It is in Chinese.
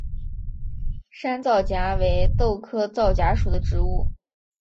山皂荚为豆科皂荚属的植物。